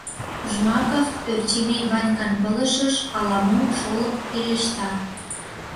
Жмаков Ӧрчемей Ванькан пылышыш ала-мом шолып пелешта.